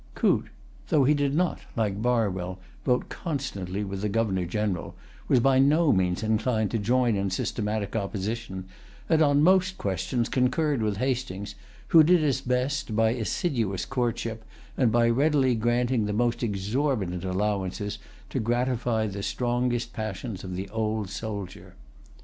Coote, though he did not, like Barwell, vote constantly with the Governor General, was by no means inclined to join in systematic opposition, and on most questions concurred with Hastings, who did his best, by assiduous[Pg 168] courtship, and by readily granting the most exorbitant allowances, to gratify the strongest passions of the old soldier.